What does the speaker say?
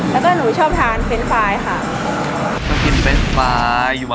แล้วก็หนูชอบทานเฟรนดไฟล์ค่ะ